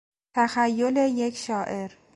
تخیل یک شاعر